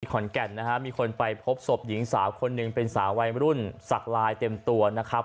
ขอนแก่นนะฮะมีคนไปพบศพหญิงสาวคนหนึ่งเป็นสาววัยรุ่นสักลายเต็มตัวนะครับ